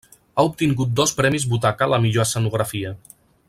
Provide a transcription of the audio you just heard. Ha obtingut dos Premis Butaca a la millor escenografia.